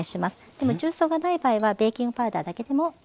でも重曹がない場合はベーキングパウダーだけでも大丈夫です。